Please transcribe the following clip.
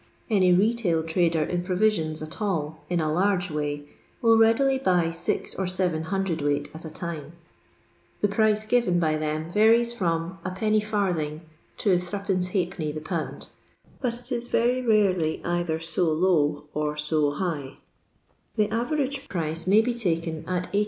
Any retail trader in provisions at all *• in a large way," will readily buy six or seven cwt. at a time. The price given by them varies from Ijc/. to 3^(^ the pound, but it is very rarely either so low or so high. The average price may be taken at 18i.